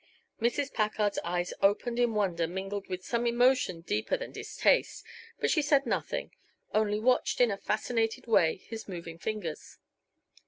Mrs. Packard's eyes opened in wonder mingled with some emotion deeper than distaste, but she said nothing, only watched in a fascinated way his moving fingers.